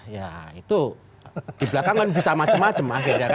ya itu di belakang kan bisa macam macam akhirnya